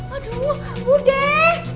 aduh bu deh